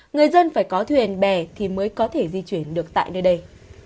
người dân phải có thuyền bè thì mới có thể di chuyển được tại nơi đây